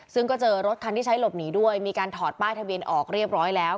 ซึ่งก็เจอรถคันที่ใช้หลบหนีด้วยมีการถอดป้ายทะเบียนออกเรียบร้อยแล้ว